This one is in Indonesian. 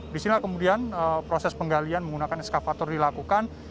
di sini kemudian proses penggalian menggunakan eskavator dilakukan